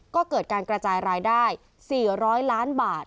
ก็เกิดการกระจายรายได้๔๐๐ล้านบาท